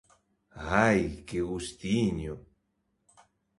Ai, que gustiño!